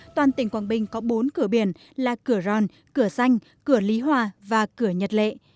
toàn tỉnh quảng bình có bốn cửa biển là cửa ron cửa xanh cửa lý hòa và cửa nhật lệ